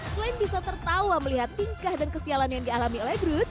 selain bisa tertawa melihat tingkah dan kesialan yang dialami oleh grooth